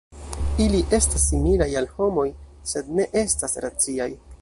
Ili estas similaj al homoj, sed ne estas raciaj.